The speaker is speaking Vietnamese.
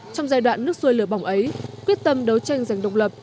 trong giai đoạn nước xuôi lửa bỏng ấy quyết tâm đấu tranh giành độc lập